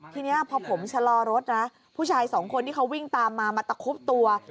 ทีนี้พอผมชะลอรถนะผู้ชายสองคนที่เขาวิ่งตามมามาตะคุบตัว